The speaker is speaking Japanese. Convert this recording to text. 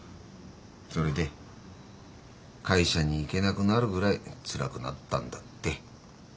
それで会社に行けなくなるぐらいつらくなったんだって。